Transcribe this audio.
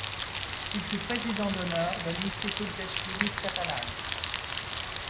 Il fut président d'honneur de l'Institut d'Estudis Catalans.